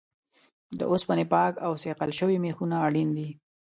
د اوسپنې پاک او صیقل شوي میخونه اړین دي.